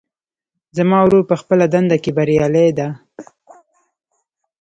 زما ورور په خپله دنده کې بریالۍ ده